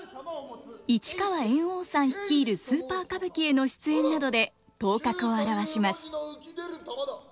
市川猿翁さん率いるスーパー歌舞伎への出演などで頭角を現します。